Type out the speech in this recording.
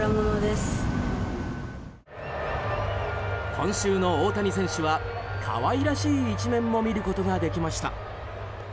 今週の大谷選手は可愛らしい一面も見ることができました。